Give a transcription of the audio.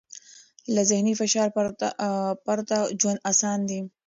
له ذهني فشار پرته ژوند اسان دی.